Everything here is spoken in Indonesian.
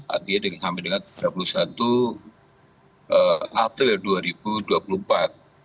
artinya sampai dengan tiga puluh satu april dua ribu dua puluh empat